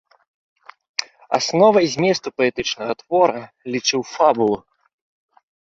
Асновай зместу паэтычнага твора лічыў фабулу.